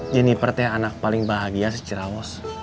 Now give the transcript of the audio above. jennifer teh anak paling bahagia si cirawos